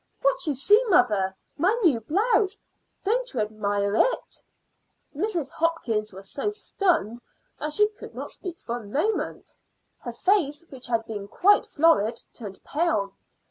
"What you see, mother my new blouse. Don't you admire it?" Mrs. Hopkins was so stunned that she could not speak for a moment. Her face, which had been quite florid, turned pale.